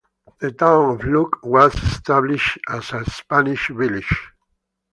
The town of Luque was established as a Spanish village.